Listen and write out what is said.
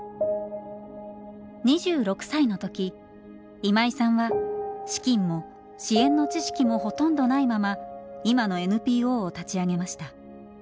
２６歳の時今井さんは資金も支援の知識もほとんどないまま今のＮＰＯを立ち上げました。